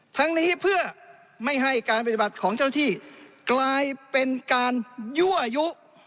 ทั้งนี้เพื่อไม่ให้การปฏิบัติของเจ้าที่กลายเป็นการยั่วยุ